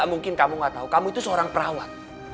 gak mungkin kamu gak tau kamu itu seorang perawat